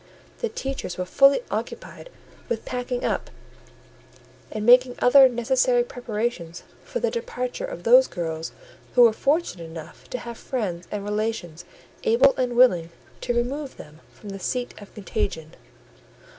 The teachers were fully occupied with packing up and making other necessary preparations for the departure of those girls who were fortunate enough to have friends and relations able and willing to remove them from the seat of contagion.